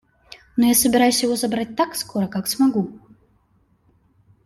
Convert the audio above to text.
Но я собираюсь его забрать так скоро, как смогу.